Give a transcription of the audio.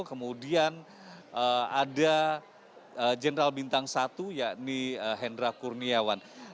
kemudian ada general bintang satu yakni hendra kurniawan